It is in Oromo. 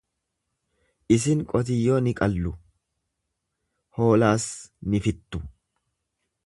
Isin qotiyyoo ni qallu, hoolaas ni fittu.